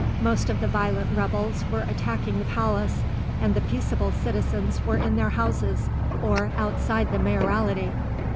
Most of the violent rebels were attacking the palace, and the peaceable citizens were in their houses or outside the Mayoralty.